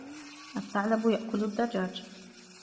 الثَّعْلَبُ يَأْكُلُ الدَّجَاجَ.